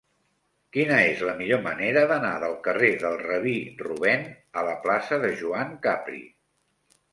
Quina és la millor manera d'anar del carrer del Rabí Rubèn a la plaça de Joan Capri?